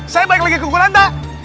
saya balik lagi ke pungganta